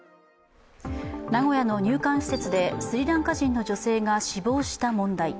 名古屋の入管施設でスリランカ人の女性が死亡した問題。